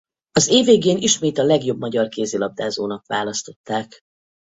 Az év végén ismét a legjobb magyar kézilabdázónak választották.